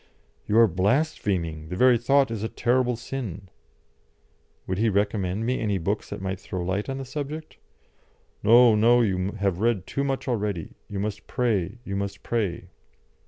"You are blaspheming. The very thought is a terrible sin." Would he recommend me any books that might throw light on the subject? "No, no; you have read too much already. You must pray; you must pray."